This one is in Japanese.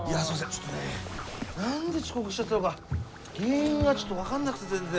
ちょっとね何で遅刻しちゃったのか原因がちょっと分かんなくて全然。